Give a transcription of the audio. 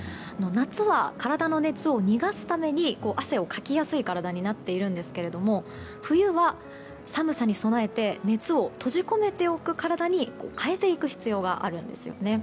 夏は体の熱を逃がすために汗をかきやすい体になっているんですけども冬は寒さに備えて熱を閉じ込めておく体に変えていく必要があるんです。